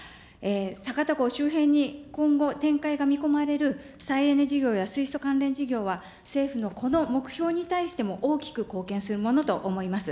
酒田港周辺に今後、展開が見込まれる再エネ事業や水素関連事業は、政府のこの目標に対しても大きく貢献するものと思います。